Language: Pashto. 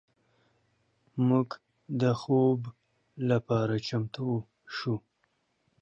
موږ د خوب لپاره چمتو شو.